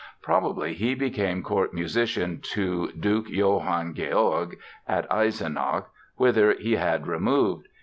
Probably he became Court musician to Duke Johann Georg, at Eisenach, whither he had removed.